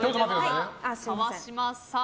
川嶋さん